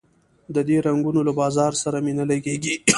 د دې رنګونو له بازار سره مي نه لګیږي